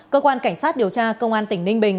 cơ quan cảnh sát điều tra công an tỉnh ninh bình